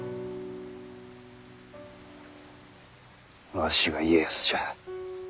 わしが家康じゃ。